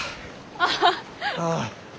ああ。